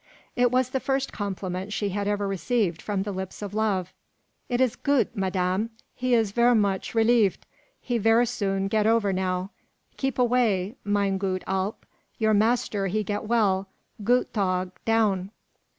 It was the first compliment she had ever received from the lips of love. "It is goot, madame! he is ver moch relieft; he ver soon get over now. Keep away, mine goot Alp! Your master he get well: goot tog, down!"